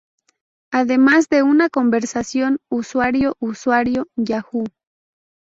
Además de una conversación usuario-usuario, Yahoo!